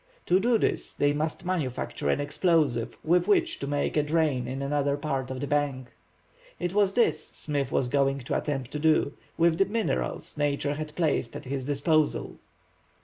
To do this they must manufacture an explosive with which to make a drain in another part of the bank. It was this Smith was going to attempt to do, with the minerals Nature had placed at his disposal.